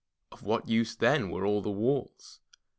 Of what use then were all the walls?